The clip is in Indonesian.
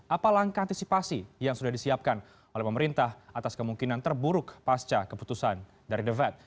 apa langkah antisipasi yang sudah disiapkan oleh pemerintah atas kemungkinan terburuk pasca keputusan dari the fed